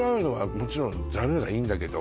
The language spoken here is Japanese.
もちろんざるがいいんだけど